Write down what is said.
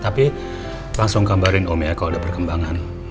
tapi langsung gambarin om ya kalau ada perkembangan